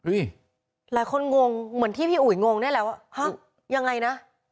หลายคนงงเหมือนที่พี่อุ๋ยงงได้แล้วว่าฮะยังไงนะ